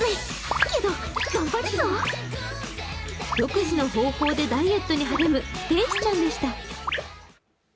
独自の方法でダイエットに励む天使ちゃんでした。